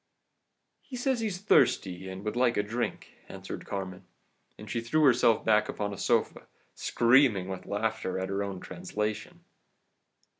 "'He says he's thirsty, and would like a drink,' answered Carmen, and she threw herself back upon a sofa, screaming with laughter at her own translation.